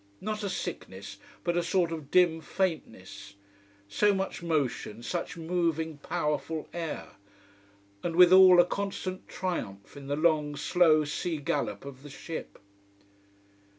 Not a sickness, but a sort of dim faintness. So much motion, such moving, powerful air. And withal a constant triumph in the long, slow sea gallop of the ship.